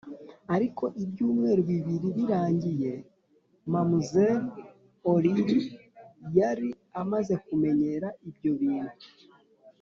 ariko ibyumweru bibiri birangiye mamzelle aurlie yari amaze kumenyera ibyo bintu,